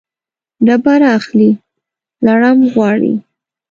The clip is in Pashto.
ډبره اخلي ، لړم غواړي.